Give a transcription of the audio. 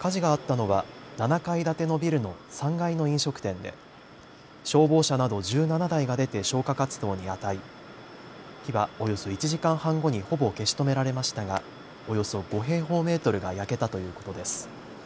火事があったのは７階建てのビルの３階の飲食店で消防車など１７台が出て消火活動にあたり火はおよそ１時間半後にほぼ消し止められましたがおよそ５平方メートルが焼けたということです。